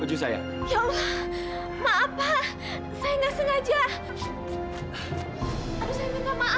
aduh saya minta maaf pak